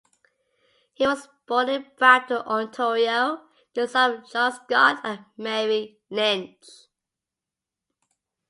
He was born in Brampton, Ontario, the son of John Scott and Mary Lynch.